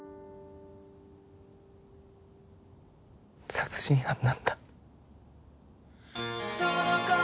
殺人犯なんだ。